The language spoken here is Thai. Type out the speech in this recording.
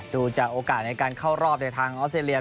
ดูจากโอกาสในการเข้ารอบในทางออสเตรเลีย